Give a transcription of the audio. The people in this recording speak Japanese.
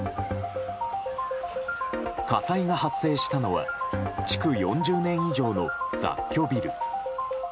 火災が発生したのは築４０年以上の雑居ビル。